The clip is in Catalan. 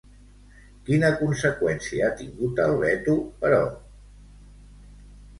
Quina conseqüència ha tingut el veto, però?